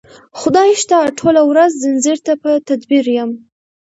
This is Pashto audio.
خدای شته ټوله ورځ ځنځیر ته په تدبیر یم